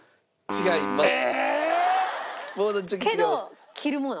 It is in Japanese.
違います。